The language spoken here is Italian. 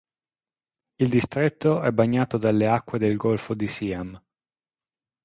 Il distretto è bagnato dalle acque del Golfo del Siam.